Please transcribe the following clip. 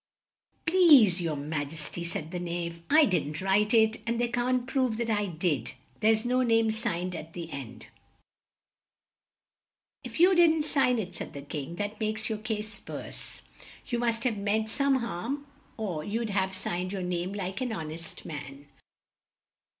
"Please your ma jes ty," said the Knave, "I didn't write it, and they can't prove that I did; there's no name signed at the end." "If you didn't sign it," said the King, "that makes your case worse. You must have meant some harm or you'd have signed your name like an hon est man."